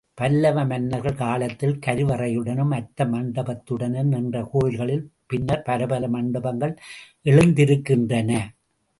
பல்லவ மன்னர்கள் காலத்தில் கருவறையுடனும் அர்த்த மண்டபத்துடனும் நின்ற கோயில்களில், பின்னர் பலபல மண்டபங்கள் எழுந்திருக்கின்றன.